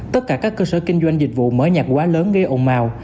tất cả các cơ sở kinh doanh dịch vụ mở nhạc quá lớn gây ồn ào